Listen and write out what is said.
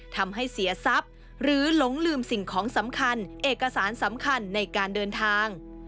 ทำให้เสียทรัพย์หรือหลงลืมสิ่งของสำคัญเอกสารสำคัญในการเดินทาง